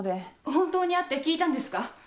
本当に会って聞いたんですか？